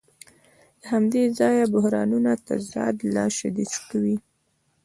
له همدې ځایه بحرانونه تضاد لا شدید کوي